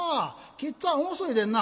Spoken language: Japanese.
きっつぁん遅いでんな」。